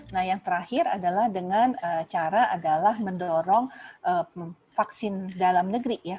nah yang terakhir adalah dengan cara adalah mendorong vaksin dalam negeri ya